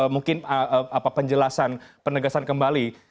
mungkin penjelasan penegasan kembali